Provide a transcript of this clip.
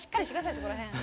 そこら辺！